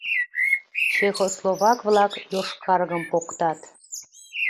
Чехословак-влак йошкаргым поктат.